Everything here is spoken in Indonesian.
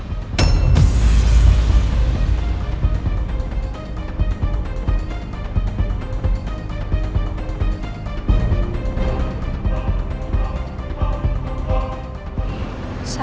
nanti makin kamu seperti anak